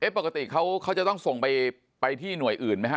ปกติเขาจะต้องส่งไปที่หน่วยอื่นไหมฮ